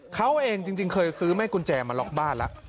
เขาเองจริงเคยซื้อแม่กุญแจมาล็อกบ้านแล้ว